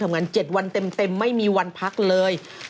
งาน๗วันเต็มไม่มีวันพักเลย